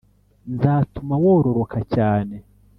Nzatuma wororoka cyane